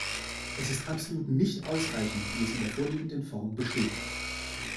Es ist absolut nicht ausreichend, wie es in der vorliegenden Form besteht.